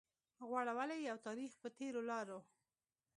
غوړولي يو تاريخ پر تېرو لارو